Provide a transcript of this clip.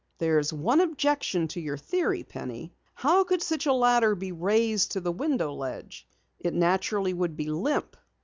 "There's one objection to your theory, Penny. How could such a ladder be raised to the window ledge? It naturally would be limp."